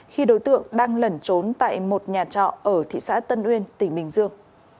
khi đối tượng đang lẩn trốn tại một nhà trọ ở thị xã tân uyên tỉnh bình dương